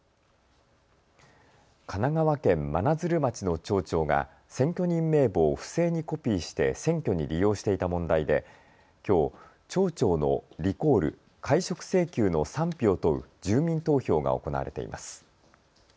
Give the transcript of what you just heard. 神奈川県真鶴町の町長が選挙人名簿を不正にコピーして選挙に利用していた問題できょう町長のリコール・解職請求の賛否を問う住民投票が行われています。